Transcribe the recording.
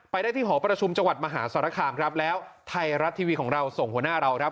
ได้ที่หอประชุมจังหวัดมหาสารคามครับแล้วไทยรัฐทีวีของเราส่งหัวหน้าเราครับ